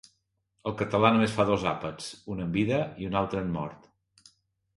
El català només fa dos àpats: un en vida i un altre en mort.